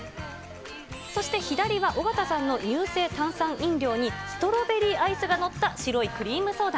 そして左は、尾形さんの乳性炭酸飲料にストロベリーアイスが載った、白いクリームソーダ。